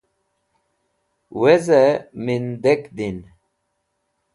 Weze! Mindek Din